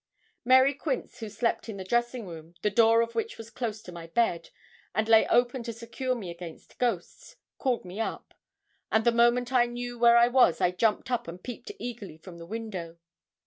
Mary Quince, who slept in the dressing room, the door of which was close to my bed, and lay open to secure me against ghosts, called me up; and the moment I knew where I was I jumped up, and peeped eagerly from the window.